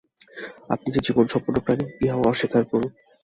আপনি যে জীবনসম্পন্ন প্রাণী, ইহাও অস্বীকার করুন।